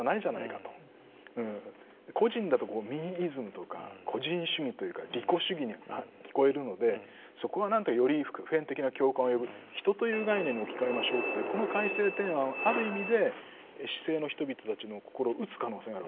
「個人」だとこうミーイズムとか個人主義というか利己主義に聞こえるのでそこは何かより普遍的な共感を呼ぶ「人」という概念に置き換えましょうというこの改正提案はある意味で市井の人々たちの心を打つ可能性があるわけですね。